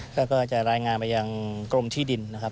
แล้วก็จะรายงานไปยังกรมที่ดินนะครับ